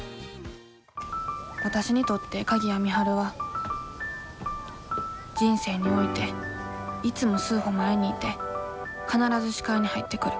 わたしにとって鍵谷美晴は人生においていつも数歩前にいて必ず視界に入ってくる。